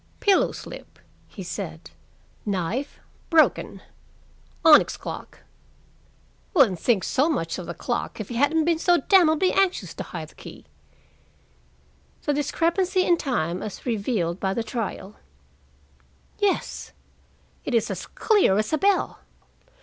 "Pillow slip," he said, "knife broken, onyx clock wouldn't think so much of the clock if he hadn't been so damnably anxious to hide the key, the discrepancy in time as revealed by the trial yes, it is as clear as a bell.